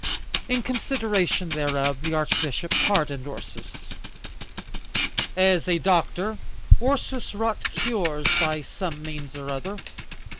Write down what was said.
In consideration thereof the archbishop pardoned Ursus. As a doctor, Ursus wrought cures by some means or other.